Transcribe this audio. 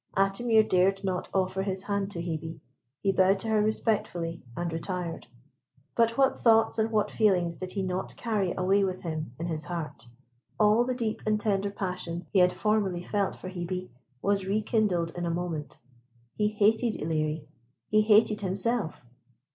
Atimir dared not offer his hand to Hebe. He bowed to her respectfully, and retired. But what thoughts and what feelings did he not carry away with him in his heart! All the deep and tender passion he had formerly felt for Hebe was rekindled in a moment. He hated Ilerie; he hated himself.